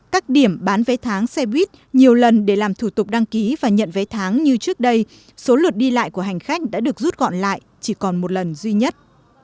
các điểm bán vé tháng xe buýt nhiều lần để làm thủ tục đăng ký và nhận vé tháng như trước đây số lượt đi lại của hành khách đã được rút gọn lại chỉ còn một lần duy nhất